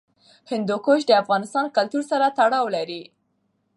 هندوکش د افغان کلتور سره تړاو لري.